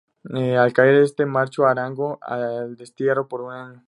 Al caer este, marchó Arango al destierro por un año.